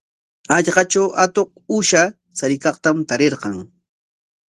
Hallqatraw atuq uusha chariykaqtam tarirqan.